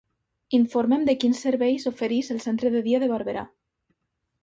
Informa'm de quins serveis ofereix el centre de dia de Barberà.